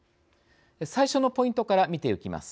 最初のポイントから見ていきます。